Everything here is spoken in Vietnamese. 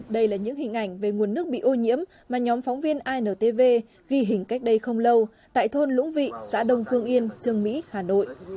đây là những hình ảnh về nguồn nước bị ô nhiễm mà nhóm phóng viên intv ghi hình cách đây không lâu tại thôn lũng vị xã đông phương yên trương mỹ hà nội